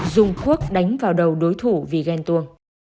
dùng quốc đánh vào đầu đối thủ vì ghen tuông